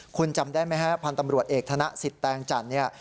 คุณจำได้ไหมฮะพันธ์ตำรวจเอกธนสิทธิแตงจันทร์เนี่ย